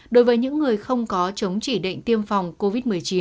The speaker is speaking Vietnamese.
đối với những người không có chống chỉ định tiêm phòng covid một mươi chín